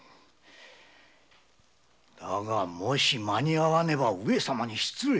だがもし間に合わねば上様に失礼。